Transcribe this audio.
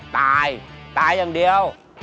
ตายตายอย่างเดียว